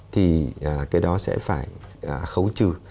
thì cái đó sẽ phải khấu trừ